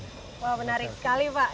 wah menarik sekali pak